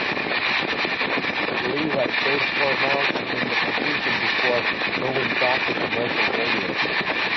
Sliwa stayed four months in the position before moving back to commercial radio.